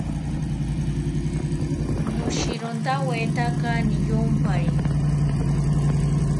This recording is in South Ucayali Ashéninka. Noshirontawetaka niyompari